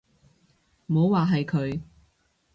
冇話係佢